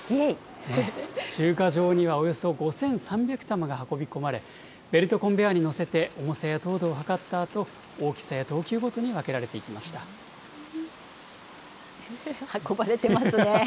集荷場には、およそ５３００玉が運び込まれ、ベルトコンベアーに乗せて重さや糖度を測ったあと、大きさや等級運ばれてますね。